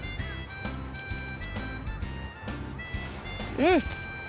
うん！